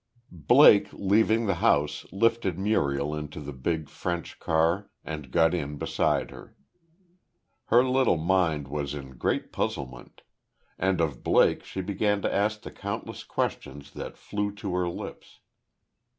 Blake, leaving the house, lifted Muriel into the big, French car and got in beside her. Her little mind was in great puzzlement; and of Blake she began to ask the countless questions that flew to her lips.